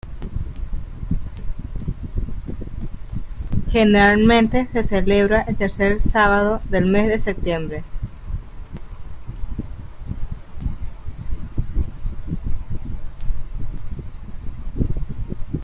Generalmente se celebra el tercer sábado del mes de septiembre.